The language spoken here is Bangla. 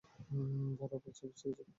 বড় বাঁচা বেঁচে গেছি!